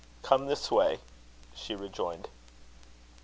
"Come this way," she rejoined.